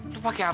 lu pake apa